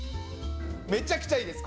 めちゃくちゃいいです。